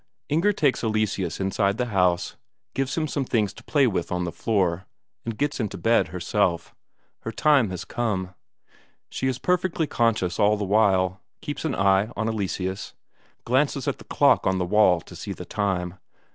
Inger takes Eleseus inside the house, gives him some things to play with on the floor, and gets into bed herself. Her time was come. She is perfectly conscious all the while, keeps an eye on Eleseus, glances at the clock on the wall to see the time.